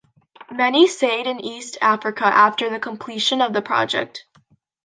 Many stayed in East Africa after the completion of the project.